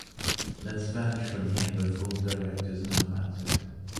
Let’s vanish from here before directors know about it.